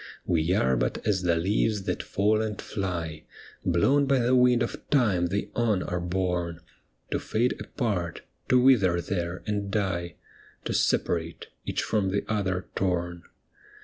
' We are but as the leaves that fall and fly, Blown by the wind of time they on are borne, To fade apart, to wither there and die, To separate, each from the other torn.'